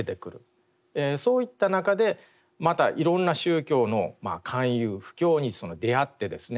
そういった中でまたいろんな宗教の勧誘布教に出会ってですね